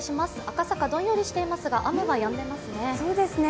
赤坂、どんよりしていますが、雨はやんでいますね。